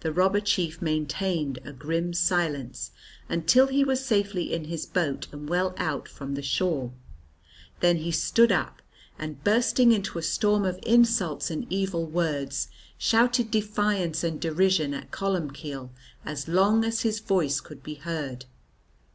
The robber chief maintained a grim silence until he was safely in his boat and well out from the shore. Then he stood up, and bursting into a storm of insults and evil words, shouted defiance and derision at Columbcille as long as his voice could be heard.